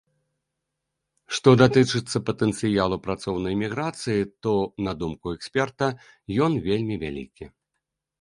Што датычыцца патэнцыялу працоўнай міграцыі, то, на думку эксперта, ён вельмі вялікі.